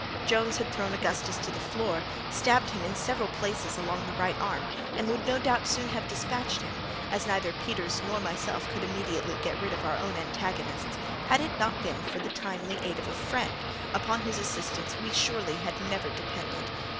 Jones had thrown Augustus to the floor, stabbed him in several places along the right arm, and would no doubt have soon dispatched him (as neither Peters nor myself could immediately get rid of our own antagonists), had it not been for the timely aid of a friend, upon whose assistance we, surely, had never depended.